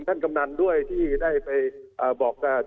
แล้วก็ประเด็นนที่๒ครับ